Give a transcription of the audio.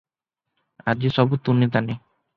ଆଜି ସବୁ ତୁନି ତାନି ।